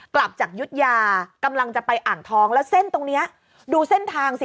กลับจากยุธยากำลังจะไปอ่างทองแล้วเส้นตรงเนี้ยดูเส้นทางสิ